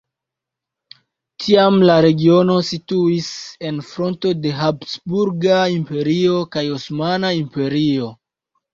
Tiam la regiono situis en fronto de Habsburga Imperio kaj Osmana Imperio.